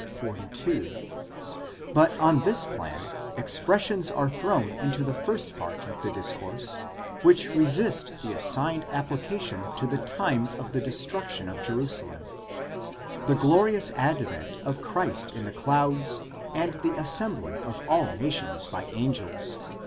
5 But on this plan, expressions are thrown into the first part of the discourse, which resist the assigned application to the time of the destruction of Jerusalem ;— the glorious advent of Christ in the clouds, and the assembling of all nations by angels (v.